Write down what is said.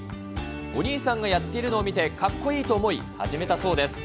お兄さんのやっているのを見てかっこいいと思い、始めたそうです。